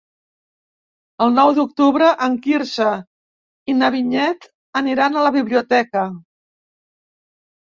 El nou d'octubre en Quirze i na Vinyet aniran a la biblioteca.